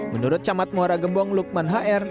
menurut camat muara gembong lukman hr